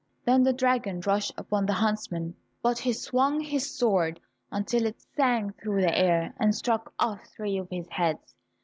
Then the dragon rushed upon the huntsman, but he swung his sword until it sang through the air, and struck off three of his heads.